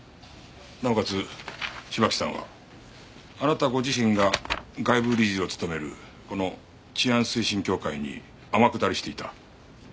なおかつ芝木さんはあなたご自身が外部理事を務めるこの治安推進協会に天下りしていた。